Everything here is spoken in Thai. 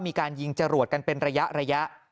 มีการยิงจรวดกันเป็นระยะ